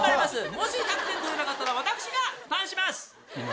もし１００点取れなかったら私が負担します！